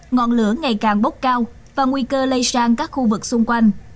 ngọn lửa ngày càng bốc cao và nguy cơ lây sang các khu vực xung quanh